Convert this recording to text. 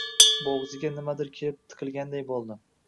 Bo‘g‘ziga nimadir kelib tiqilganday bo‘ldi.